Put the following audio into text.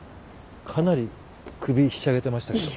かなり首ひしゃげてましたけど。